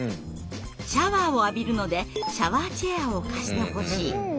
「シャワーを浴びるのでシャワーチェアを貸してほしい」。